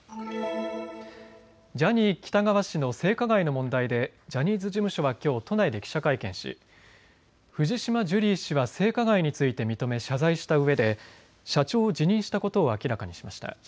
ジャニー喜多川氏の性加害の問題でジャニーズ事務所はきょう都内で記者会見し藤島ジュリー氏は性加害について認め謝罪したうえで社長を辞任したことを明らかにしました。